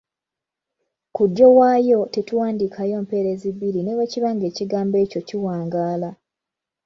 Ku ddyo waayo tetuwandiikayo mpereezi bbiri ne bwe kiba nga ekigambo ekyo kiwangaala.